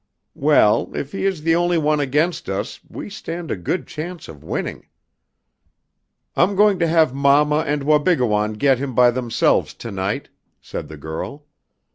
"Well, if he is the only one against us we stand a good chance of winning." "I'm going to have mamma and Wabigoon get him by themselves to night," said the girl.